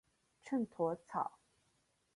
秤砣草